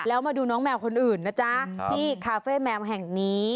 แล้วมาดูน้องแมวคนอื่นนะจ๊ะที่คาเฟ่แมวแห่งนี้